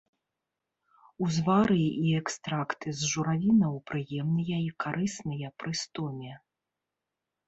Узвары і экстракты з журавінаў прыемныя і карысныя пры стоме.